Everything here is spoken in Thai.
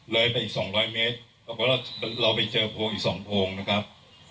เลยไปอีกสองร้อยเมตรแล้วก็เราไปเจอโพงอีกสองโพงนะครับ